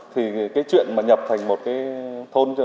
thì cái chuyện mà nhập thành một cái thôn